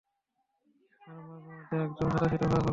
আর মাঝেমধ্যে, একদম সাদাসিধে হওয়াই ভাল।